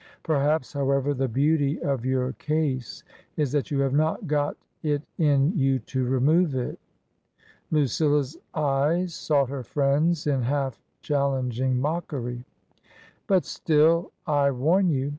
Perhaps, however, the beauty of your case is that you have not got it in you to remove it !" Lucilla's eyes sought her friend's in half challenging mockery. " But still, I warn you.